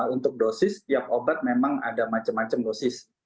untuk dosis tiap obat memang ada macam macam dosis